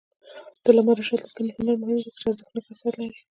د علامه رشاد لیکنی هنر مهم دی ځکه چې ارزښتناک آثار لري.